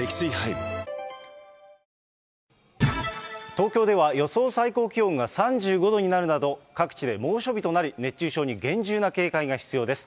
東京では予想最高気温が３５度になるなど、各地で猛暑日となり、熱中症に厳重な警戒が必要です。